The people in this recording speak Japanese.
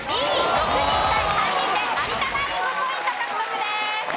６人対３人で有田ナイン５ポイント獲得です。